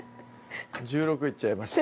１６いっちゃいました